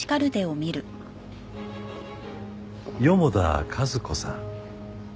四方田和子さん。